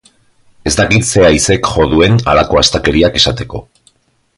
Ez dakit zer haizek jo duen, halako astakeriak esateko.